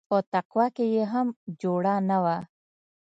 په تقوا کښې يې هم جوړه نه وه.